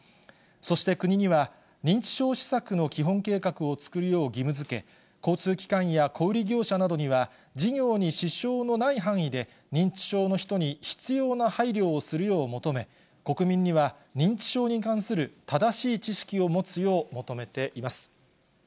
そして国には、認知症施策の基本計画を作るよう義務づけ、交通機関や小売り業者などには、事業に支障のない範囲で、認知症の人に必要な配慮をするよう求め、国民には認知症に関する正しい知識を持つよう求めています。